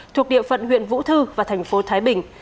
thuộc địa phận huyện vũ thư và thành phố thái bình